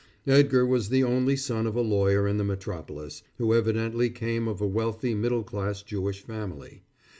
Edgar was the only son of a lawyer in the metropolis, who evidently came of a wealthy middle class Jewish family.